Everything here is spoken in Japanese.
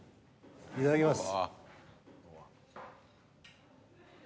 いただきます。